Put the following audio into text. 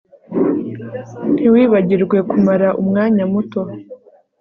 Ntiwibagirwe kumara umwanya muto